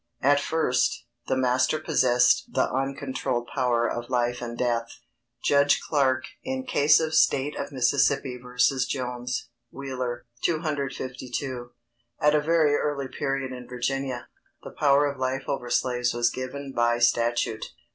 At first, the master possessed the uncontrolled power of life and death. [Sidenote: Judge Clarke, in case of State of Miss. v. Jones. Wheeler, 252.] At a very early period in Virginia, the power of life over slaves was given by statute.